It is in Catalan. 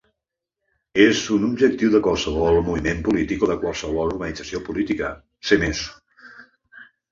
És un objectiu de qualsevol moviment polític o de qualsevol organització política, ser més.